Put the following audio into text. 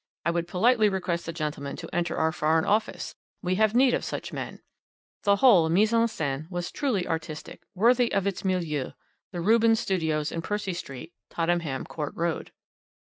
I would politely request the gentleman to enter our Foreign Office we have need of such men. The whole mise en scène was truly artistic, worthy of its milieu the Rubens Studios in Percy Street, Tottenham Court Road.